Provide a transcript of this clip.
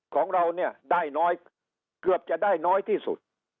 ของเราเนี่ยได้น้อยเกือบจะได้น้อยที่สุด